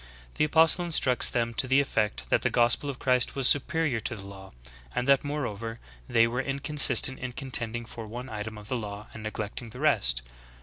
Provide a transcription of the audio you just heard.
' The apostle instructs them to the effect that the gospel of Christ was superior to the law; and that more over, they wxre inconsistent in contending for one item of the law and neglecting the rest.